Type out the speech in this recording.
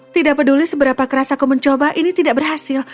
tidak peduli seberapa keras aku mencoba ini tidak berhasil